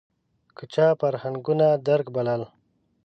که چا فرهنګونو درک بلل